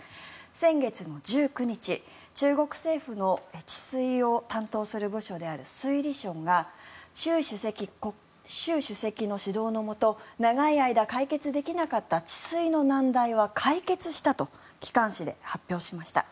先月の１９日中国政府の治水を担当する部署である水利省が、習主席の指導のもと長い間解決できなかった治水の難題は解決したと機関紙で発表しました。